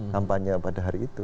kampanye pada hari itu